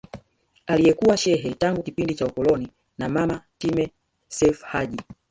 Aliyekuwa shekhe tangu kipindi cha ukoloni na mama Time Seif Haji